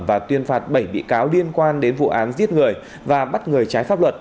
và tuyên phạt bảy bị cáo liên quan đến vụ án giết người và bắt người trái pháp luật